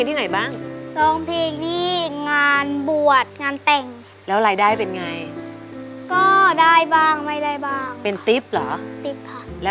ดีใจครับที่ลูกเป็นคนสู้